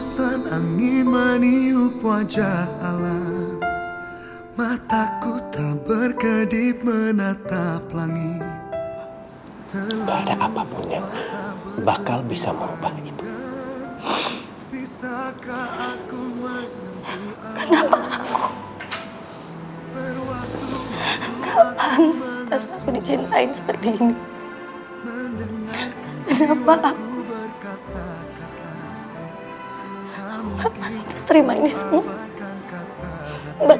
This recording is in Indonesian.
sampai jumpa di video selanjutnya